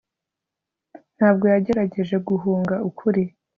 ntabwo yagerageje guhunga ukuri